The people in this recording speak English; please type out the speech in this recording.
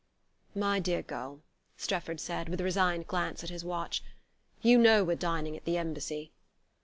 "My dear girl," Strefford said, with a resigned glance at his watch, "you know we're dining at the Embassy...."